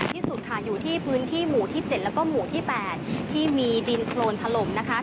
ที่สุดค่ะอยู่ที่พื้นที่หมู่ที่๗แล้วก็หมู่ที่๘ที่มีดินโครนถล่มนะคะ